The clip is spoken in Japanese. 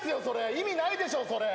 意味ないでしょ。